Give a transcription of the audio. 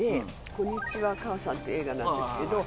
『こんにちは、母さん』って映画なんですけど